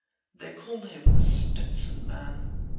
They call him The Stetson Man.